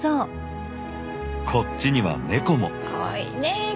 こっちにはネコも！